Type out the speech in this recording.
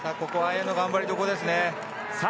ここは綾乃頑張りどころですね。